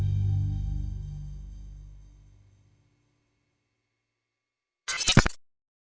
สวัสดีครับ